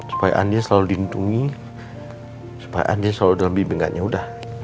supaya andin selalu dihitungi supaya andin selalu dalam pembimbingannya udah